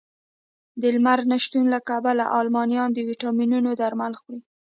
د لمر نه شتون له کبله المانیان د ویټامینونو درمل خوري